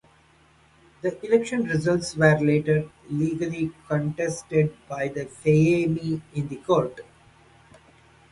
The election results were later legally contested by the Fayemi in the court.